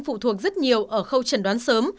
phụ thuộc rất nhiều ở khâu trần đoán sớm